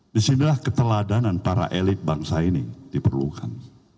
disinilah keteladanan para elit bangsa ini diperlukan